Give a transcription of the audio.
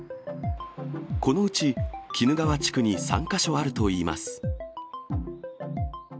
このうち、鬼怒川地区に３か所あるといいます。